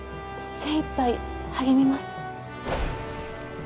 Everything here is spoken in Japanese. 精いっぱい励みます。